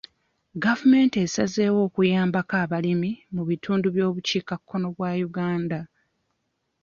Gavumenti esazeewo okuyambako abalimi mu bitundu by'obukiikakkono bwa Uganda.